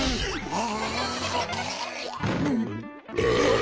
あ。